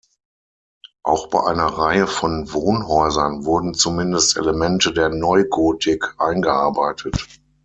Auch bei einer Reihe von Wohnhäusern wurden zumindest Elemente der Neugotik eingearbeitet.